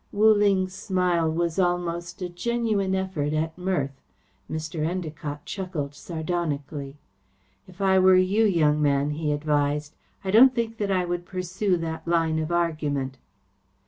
Wu Ling's smile was almost a genuine effort at mirth. Mr. Endacott chuckled sardonically. "If I were you, young man," he advised, "I don't think that I would pursue that line of argument."